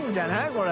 これ。